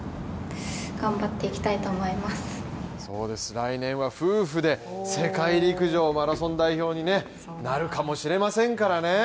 来年は夫婦で世界陸上マラソン代表にね、なるかもしれませんからね。